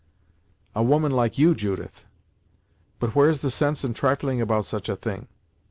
"A woman like you, Judith! But where's the sense in trifling about such a thing?